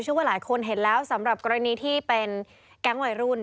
ว่าหลายคนเห็นแล้วสำหรับกรณีที่เป็นแก๊งวัยรุ่น